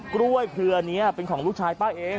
กล้วยเครือนี้เป็นของลูกชายป้าเอง